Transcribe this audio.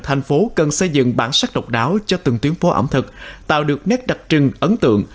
thành phố cần xây dựng bản sắc độc đáo cho từng tuyến phố ẩm thực tạo được nét đặc trưng ấn tượng